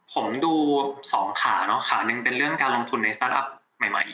ผมดู๒ขาขาหนึ่งเป็นเรื่องการลงทุนในสตาร์ทอัพใหม่